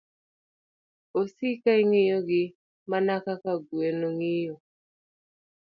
Osik ka ing'iyogi mana kaka gweno ng'iyo